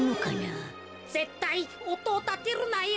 ぜったいおとをたてるなよ。